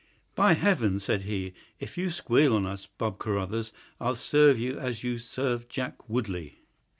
"By Heaven," said he, "if you squeal on us, Bob Carruthers, I'll serve you as you served Jack Woodley.